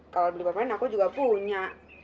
kalau beli pemain aku juga punya